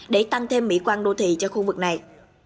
để tăng thêm mỹ quan đô thị cho khu vực này